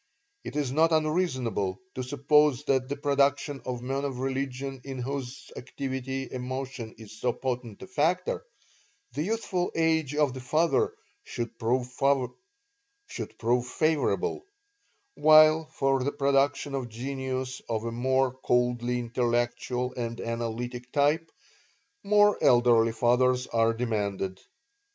It is not unreasonable to suppose that in the production of men of religion in whose activity emotion is so potent a factor, the youthful age of the father should prove favorable; while for the production of genius of a more coldly intellectual and analytic type more elderly fathers are demanded.